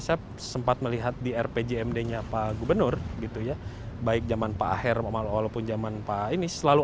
saya sempat melihat di rpjmd nya pak gubernur gitu ya baik zaman pak aher walaupun zaman pak ini selalu